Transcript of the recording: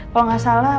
kalau gak salah